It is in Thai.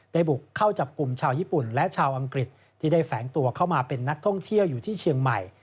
บุกเข้าจับกลุ่มชาวญี่ปุ่นและชาวอังกฤษที่ได้แฝงตัวเข้ามาเป็นนักท่องเที่ยวอยู่ที่เชียงใหม่